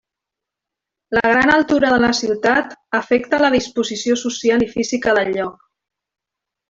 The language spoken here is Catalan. La gran altura de la ciutat afecta la disposició social i física del lloc.